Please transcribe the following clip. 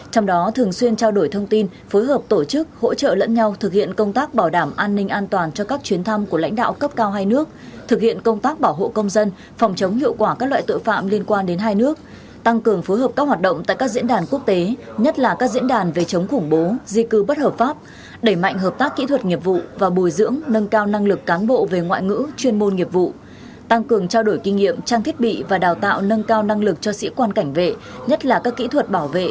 trong đó thường xuyên trao đổi thông tin phối hợp tổ chức hỗ trợ lẫn nhau thực hiện công tác bảo đảm an ninh an toàn cho các chuyến thăm của lãnh đạo cấp cao hai nước thực hiện công tác bảo hộ công dân phòng chống hiệu quả các loại tội phạm liên quan đến hai nước tăng cường phối hợp các hoạt động tại các diễn đàn quốc tế nhất là các diễn đàn về chống khủng bố di cư bất hợp pháp đẩy mạnh hợp tác kỹ thuật nghiệp vụ và bồi dưỡng nâng cao năng lực cán bộ về ngoại ngữ chuyên môn nghiệp vụ tăng cường trao